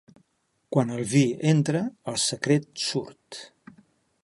Quan el vi entra, el secret surt.